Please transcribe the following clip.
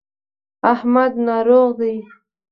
احمد ناروغ دی.